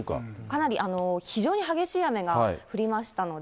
かなり、非常に激しい雨が降りましたので。